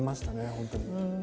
本当に。